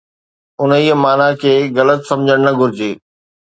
انهيءَ معنيٰ کي غلط سمجهڻ نه گهرجي.